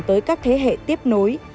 tới các thế hệ tiếp nối